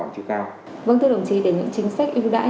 vâng thưa đồng chí để những chính sách ưu đãi